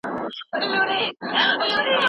چین د زبرځواک په مقام کي دی.